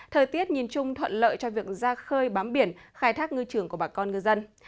thời tiết nhìn chung thuận lợi cho việc ra khơi bám biển khai thác ngư trường của bà con ngư dân